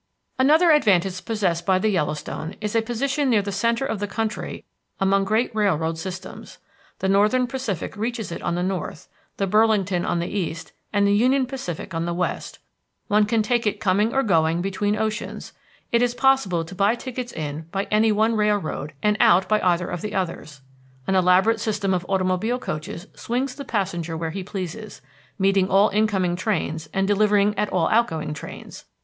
Another advantage possessed by the Yellowstone is a position near the centre of the country among great railroad systems. The Northern Pacific reaches it on the north, the Burlington on the east, and the Union Pacific on the west. One can take it coming or going between oceans; it is possible to buy tickets in by any one railroad and out by either of the others. An elaborate system of automobile coaches swings the passenger where he pleases, meeting all incoming trains and delivering at all outgoing trains.